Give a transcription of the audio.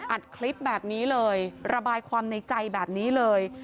อัดคลิปแบบนี้เลยระบายความในใจแบบนี้เลย